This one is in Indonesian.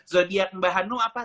zodiac mbah hanno apa